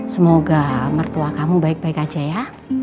semoga mertua kamu baik baik aja ya